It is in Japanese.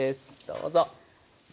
どうぞ。